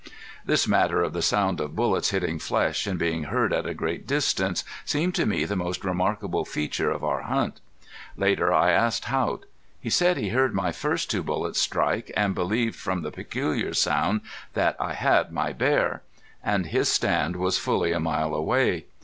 This matter of the sound of bullets hitting flesh and being heard at a great distance seemed to me the most remarkable feature of our hunt. Later I asked Haught. He said he heard my first two bullets strike and believed from the peculiar sound that I had my bear. And his stand was fully a mile away.